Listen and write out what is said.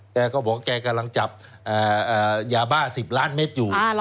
แกก็บอกแกกำลังจับยาบ้า๑๐ล้านเมตรอยู่